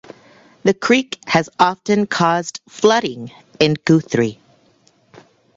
The creek has often caused flooding in Guthrie.